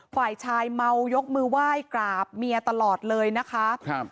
ฝ่ายชายเมายกมือไหว้กราบเมียตลอดนั้นเลย